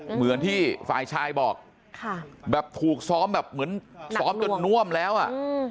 เหมือนที่ฝ่ายชายบอกแบบถูกซ้อมแบบเหมือนซ้อมจนน่วมแล้วอ่ะ